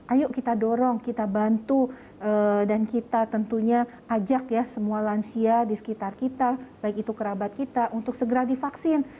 ayo kita dorong kita bantu dan kita tentunya ajak ya semua lansia di sekitar kita baik itu kerabat kita untuk segera divaksin